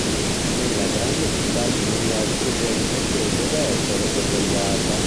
Nella grande città di New York c'è gente che deve essere sorvegliata.